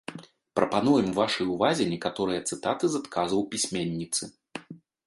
Прапануем вашай увазе некаторыя цытаты з адказаў пісьменніцы.